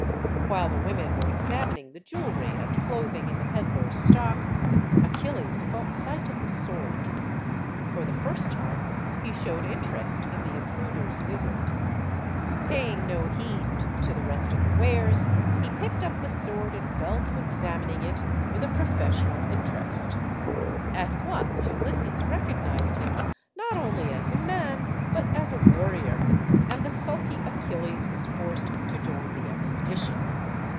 While the women were examining the jewelry and clothing in the ped dler's stock, Achilles caught sight of the sword. For the first time, he showed interest in the intruder's visit. Paying no heed to the rest of the wares, he picked up the sword and fell to examining it with a professional interest. At once, Ulysses recognized him not only as a man, but as a warrior; and the sulky Achilles was forced to join the expedition.